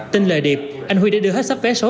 tin lời điệp anh huy đã đưa hết sắp vé số